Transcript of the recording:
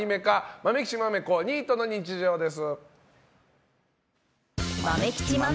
「まめきちまめこニートの日常」です。